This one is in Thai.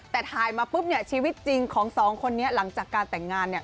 แต่ถ่ายมาปุ๊บเนี่ยชีวิตจริงของสองคนนี้หลังจากการแต่งงานเนี่ย